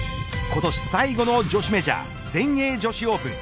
今年最後の女子メジャー全英女子オープン。